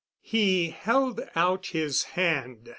He held out his hand.